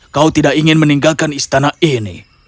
kau tidak ingin meninggalkan istana ini